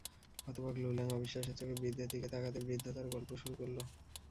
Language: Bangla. হতবাক লুলেং অবিশ্বাসের চোখে বৃদ্ধের দিকে তাকাতে বৃদ্ধ তার গল্প শুরু করল।